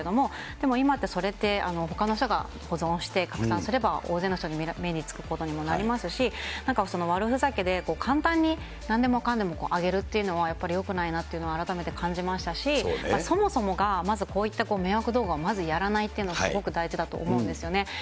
でも今って、それってほかの人が保存して拡散すれば、大勢の人の目につくことにもなりますし、悪ふざけで簡単になんでもかんでも上げるっていうのは、やっぱりよくないなというのは、改めて感じましたし、そもそもが、まずこういった迷惑動画をまずやらないというのがすごく大事だと思うんですよね。